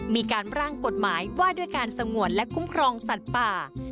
มีการร่างกฎหมายว่าด้วยการสงวนและคุ้มครองสัตว์ป่า